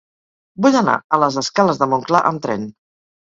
Vull anar a les escales de Montclar amb tren.